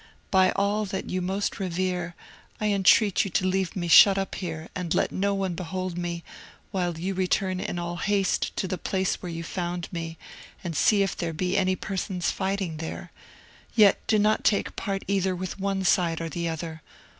By all that you most revere, I entreat you to leave me shut up here, and let no one behold me, while you return in all haste to the place where you found me, and see if there be any persons fighting there. Yet do not take part either with one side or the other.